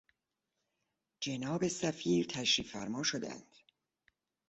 جناب سفیر تشریف فرما شدند.